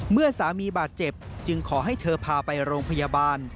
เมื่อสามีบาดเจ็บจึงขอให้เธอพาไปโรงพยาบาล